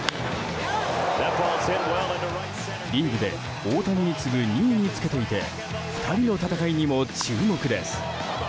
リーグで大谷に次ぐ２位につけていて２人の戦いにも注目です。